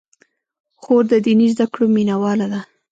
خور د دیني زدکړو مینه واله ده.